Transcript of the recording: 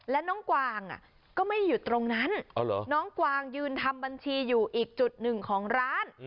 และน้องกวางก็ไม่อยู่ตรงนั้นน้องกวางยืนทำบัญชีอยู่อีกจุดหนึ่งของร้าน